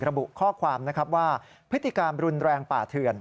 ระบุข้อความนะครับว่าพฤติกรรมรุนแรงป่าเถื่อน